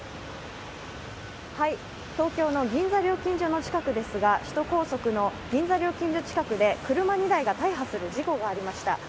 東京の銀座料金所の近くですが首都高速の銀座料金所近くで車２台が大破する事故がありました。